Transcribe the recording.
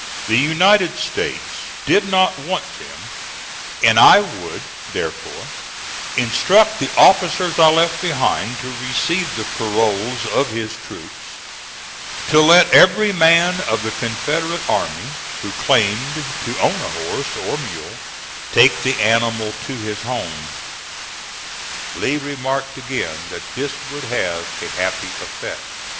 The United States did not want them and I would, therefore, instruct the officers I left behind to receive the paroles of his troops to let every man of the Confederate army who claimed to own a horse or mule take the animal to his home. Lee remarked again that this would have a happy effect.